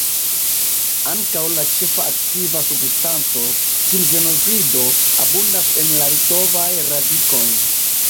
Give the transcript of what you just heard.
Ankaŭ la ĉefa aktiva substanco, ginzenozido, abundas en la litovaj radikoj.